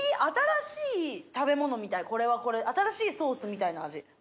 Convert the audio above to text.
みたいこれはこれ新しいソースみたいな味。